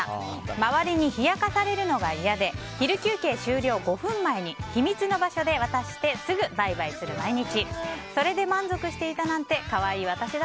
周りに冷やかされるのが嫌で昼休憩終了５分前で秘密の場所で渡してすぐバイバイする毎日。